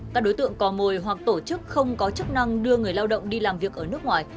các đối tượng cò mồi hoặc tổ chức không có chức năng đưa người lao động đi làm việc ở nước ngoài